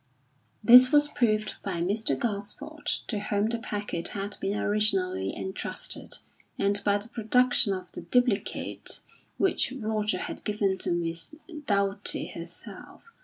This was proved by Mr. Gosford, to whom the packet had been originally entrusted, and by the production of the duplicate which Roger had given to Miss Doughty herself.